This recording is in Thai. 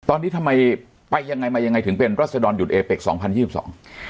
ตอนนี้ทำไมไปยังไงมายังไงถึงเป็นรัศดรหยุดเอเป็กสองพันยี่สิบสอง